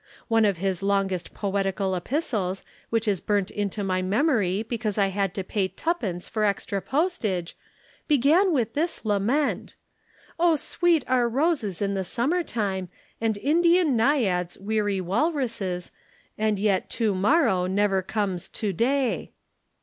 One of his longest poetical epistles, which is burnt into my memory because I had to pay twopence for extra postage, began with this lament: "'O sweet are roses in the summer time And Indian naiads' weary walruses And yet two morrow never comes to day.'